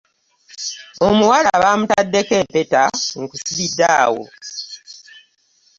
Omuwala baamutaddeko empeta nkusibidde awo.